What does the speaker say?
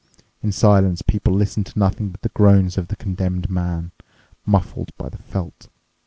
In silence people listened to nothing but the groans of the condemned man, muffled by the felt.